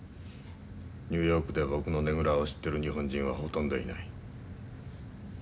ニューヨークで僕のねぐらを知ってる日本人はほとんどいない。